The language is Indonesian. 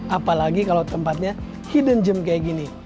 apalagi kalau tempatnya hidden gem kayak gini